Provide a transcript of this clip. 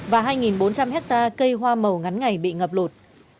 và hai bốn trăm linh hectare cây hoa màu ngắn ngày bị ngập lụt